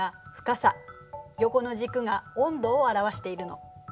横の軸が温度を表しているの。